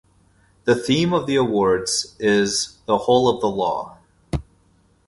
The theme of the awards is: The Whole of the law.